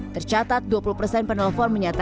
tercatat dua puluh persen penelepon menyatakan